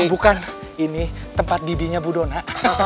oh bukan ini tempat bibinya budona